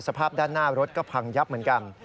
สภาพด้านหน้ารถก็พังยับเหมือนกัน